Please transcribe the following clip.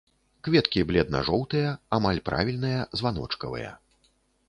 Кветкі бледна-жоўтыя, амаль правільныя, званочкавыя.